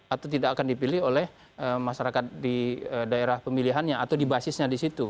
atau tidak akan dipilih oleh masyarakat di daerah pemilihannya atau di basisnya di situ